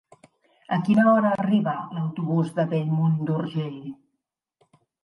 A quina hora arriba l'autobús de Bellmunt d'Urgell?